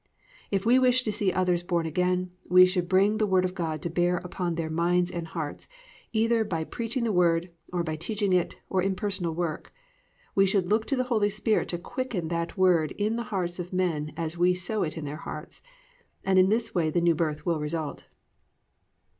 "+ If we wish to see others born again we should bring the Word of God to bear upon their minds and hearts either by preaching the Word, or by teaching it, or in personal work; and we should look to the Holy Spirit to quicken that Word in the hearts of men as we sow it in their hearts, and in this way the New Birth will result.